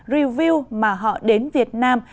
review mà họ đến việt nam